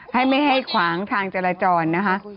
ให้ไม่ให้ขวางทางจราจรนะคะ